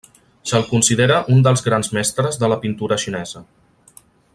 Se'l considera un dels grans mestres de la pintura xinesa.